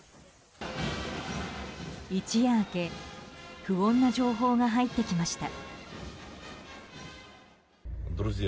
一夜明け不穏な情報が入ってきました。